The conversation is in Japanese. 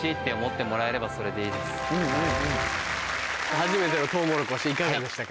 初めてのトウモロコシいかがでしたか？